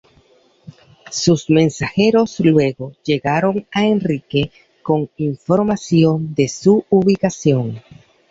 Sus mensajeros luego llegaron a Enrique con información de su ubicación.